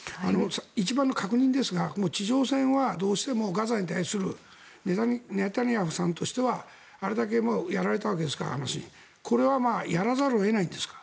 一番の確認ですが地上戦はどうしてもガザに対するネタニヤフさんとしてはあれだけやられたわけですからこれはやらざるを得ないんですか。